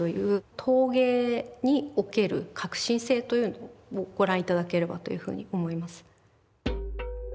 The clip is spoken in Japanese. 陶芸における革新性というのをご覧頂ければというふうに思います。